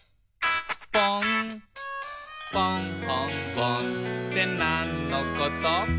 「ぽんほんぼんってなんのこと？」